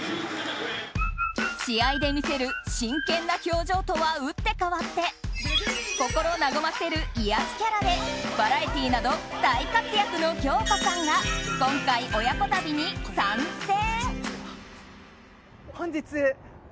試合で見せる真剣な表情とは打って変わって心和ませる癒やしキャラでバラエティーなど大活躍の京子さんが今回、親子旅に参戦！